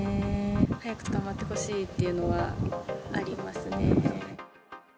早く捕まってほしいっていうのはありますね。